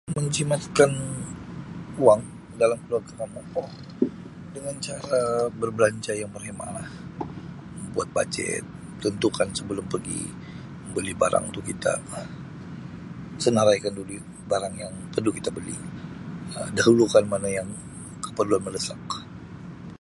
Menjimatkan wang dalam keluarga kamu dengan cara berbelanja yang berhemah lah, membuat bajet tentukan sebelum pergi membeli barang untuk kita senaraikan dulu barang yang perlu kita beli, Um dahulukan mana yang perlu mendesak.